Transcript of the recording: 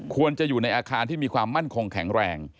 ควรจะอยู่ในอาคารที่มีความมั่นคงแข็งแรง